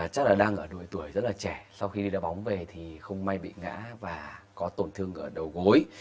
chắc là đang ở đội tuổi rất là trẻ sau khi đi đá bóng về thì không may bị ngã và có tổn thương ở đầu gối